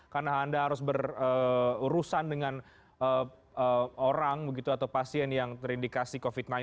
karena anda harus berurusan dengan orang begitu atau pasien yang terindikasi covid sembilan belas